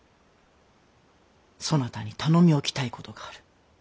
そなたに頼みおきたいことがある。